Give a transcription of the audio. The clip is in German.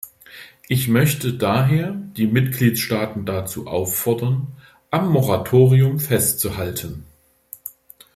Ich möchte daher die Mitgliedstaaten dazu auffordern, am Moratorium festzuhalten.